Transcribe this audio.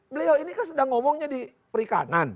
beliau ini kan sedang ngomongnya di perikanan